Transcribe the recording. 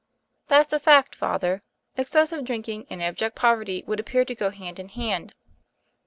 * 'That's a fact, Father; excessive drink and abject poverty would appear to go hand in« hand